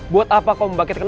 buat apa kau membagikan